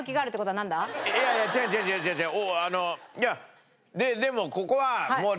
いやいや違う違う違う違うあの。